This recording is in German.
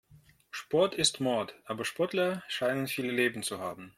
Sport ist Mord, aber Sportler scheinen viele Leben zu haben.